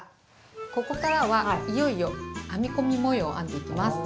ここからはいよいよ編み込み模様を編んでいきます。